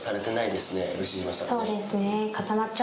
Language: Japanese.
そうですね。